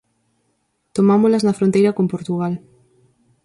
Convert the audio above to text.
Tomámolas na fronteira con Portugal.